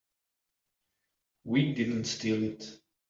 We didn't steal it.